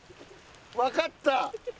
わかった！